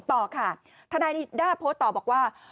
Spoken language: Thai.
ต่อค่ะทนายนิด้าโพสต์ต่อบอกว่า